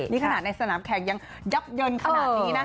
นี่ขนาดในสนามแข่งยังยับเยินขนาดนี้นะ